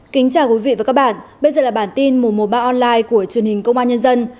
cảm ơn các bạn đã theo dõi và ủng hộ cho bản tin mùa mùa ba online của truyền hình công an nhân dân